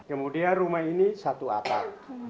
kemudian rumah ini satu atap